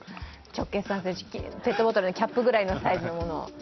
直径３ｃｍ、ペットボトルのキャップぐらいのサイズのものを。